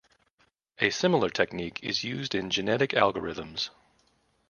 A similar technique is used in genetic algorithms.